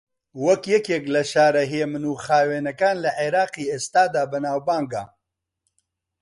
وەک یەکێک لە شارە ھێمن و خاوێنەکان لە عێراقی ئێستادا بەناوبانگە